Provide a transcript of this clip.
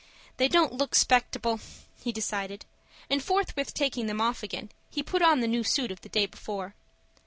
"They don't look 'spectable," he decided; and, forthwith taking them off again, he put on the new suit of the day before.